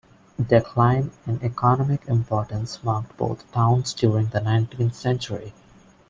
Decline in economic importance marked both towns during the nineteenth century.